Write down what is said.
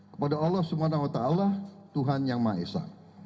kepada allah swt tuhan yang maha esa